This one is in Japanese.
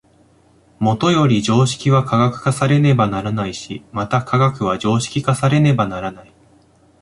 もとより常識は科学化されねばならないし、また科学は常識化されねばならない。